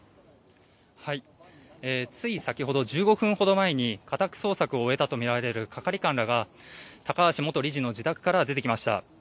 つい先ほど１５分ほど前に家宅捜索を終えたとみられる係官らが高橋元理事の自宅から出てきました。